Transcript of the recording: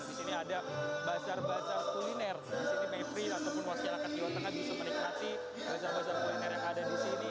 di sini ada bazar bazar kuliner di sini mayfrey ataupun masyarakat jawa tengah bisa menikmati bazar bazar kuliner yang ada di sini